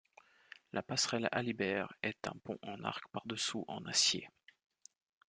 La passerelle Alibert est un pont en arc par-dessous en acier.